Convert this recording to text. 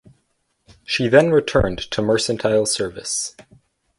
She then returned to mercantile service.